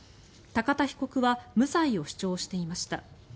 高田被告は無罪を主張していました。